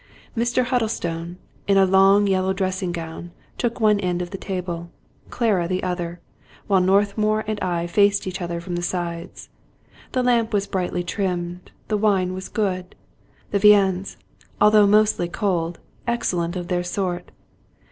Mr. Huddlestone, in a long yellow dressing gown, took one end of the table, Clara the other ; while Northmour and I faced each other from the sides. The lamp was brightly trimmed; the wine was good; the viands, although mostly cold, excellent of their sort.